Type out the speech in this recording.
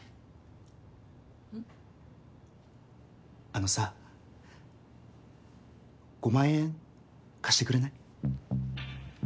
あのさ、５万円貸してくれない？